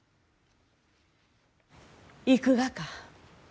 行くがか？